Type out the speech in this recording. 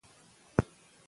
عجيبه قضاوت